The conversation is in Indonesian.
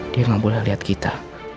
dia nggak boleh lihat kita